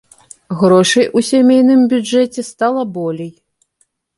Грошай у сямейным бюджэце стала болей.